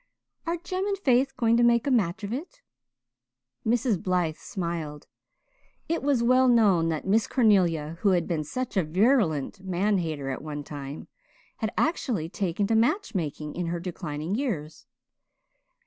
"Are Jem and Faith going to make a match of it?" Mrs. Blythe smiled. It was well known that Miss Cornelia, who had been such a virulent man hater at one time, had actually taken to match making in her declining years.